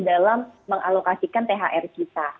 karena kita sudah mengalokasikan thr kita